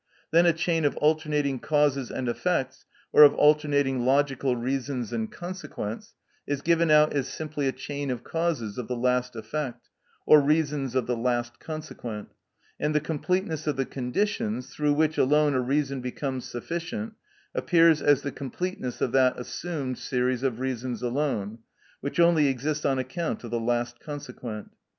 Then a chain of alternating causes and effects, or of alternating logical reasons and consequents, is given out as simply a chain of causes of the last effect, or reasons of the last consequent, and the completeness of the conditions, through which alone a reason becomes sufficient, appears as the completeness of that assumed series of reasons alone, which only exist on account of the last consequent.